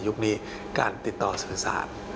นี้การติดต่อสื่อสาร